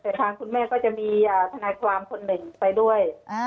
แต่ทางคุณแม่ก็จะมีทนายความคนหนึ่งไปด้วย